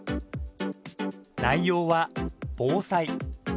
内容は防災。